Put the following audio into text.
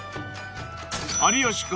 ［有吉君